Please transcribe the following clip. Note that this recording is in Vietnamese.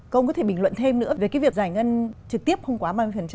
cô có thể bình luận thêm nữa về cái việc giải ngân trực tiếp không quá ba mươi